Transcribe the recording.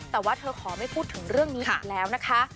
แต่ว่าเธอขอไม่พูดถึงเรื่องนี้อีกแล้วนะคะ